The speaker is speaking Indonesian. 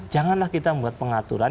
janganlah kita membuat pengaturan